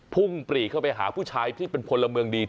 ปรีเข้าไปหาผู้ชายที่เป็นพลเมืองดี